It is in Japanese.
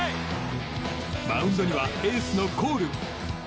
マウンドには、エースのコール。